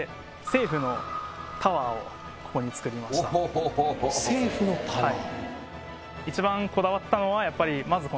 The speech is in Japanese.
おほほほ政府のタワー？